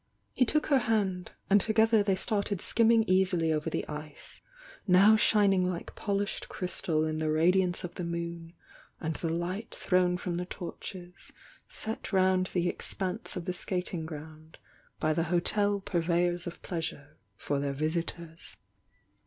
He took her hand, and together they started skim ming ea^y over the ice, now shining like polished crystal in the radiance of the moon and the light thrown from torches set round the expanse of the skating ground by the hotel purveyors of pleasure for Uieir visitors.